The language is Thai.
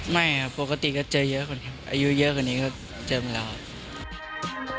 ไม่ครับปกติก็เจอเยอะก่อนครับอายุเยอะกว่านี้ก็เจอหมดแล้วครับ